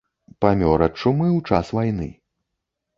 Памёр ад чумы ў час вайны.